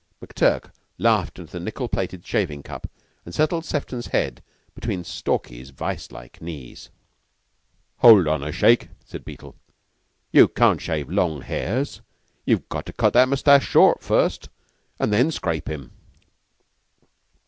McTurk laughed into the nickel plated shaving cup, and settled Sefton's head between Stalky's vise like knees. "Hold on a shake," said Beetle, "you can't shave long hairs. You've got to cut all that mustache short first, an' then scrape him."